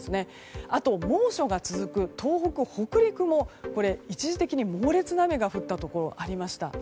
あと、猛暑が続く東北、北陸も一時的に猛烈な雨が降ったところありました。